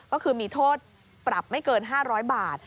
ก็คือมีโทษปรับไม่เกิน๕๐๐บาท